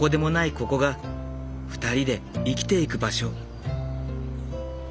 ここが２人で生きていく場所。